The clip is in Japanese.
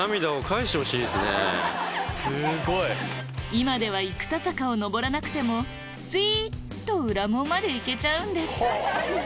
今では生田坂を上らなくてもすいっと裏門まで行けちゃうんです